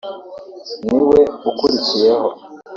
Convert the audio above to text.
ni we ukuriyeho